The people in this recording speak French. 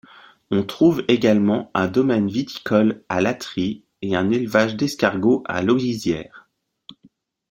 On trouve également un domaine viticole à l'Atrie et un élevage d'escargots à l'Augisière.